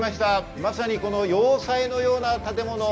まさに要塞のような建物。